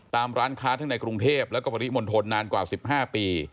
ร้านค้าทั้งในกรุงเทพแล้วก็ปริมณฑลนานกว่า๑๕ปี